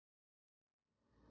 apa yang terjadi